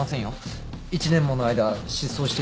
１年もの間失踪していたんだし。